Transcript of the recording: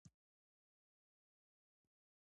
موږ باید د اختلاف پر مهال ارام او منطقي پاتې شو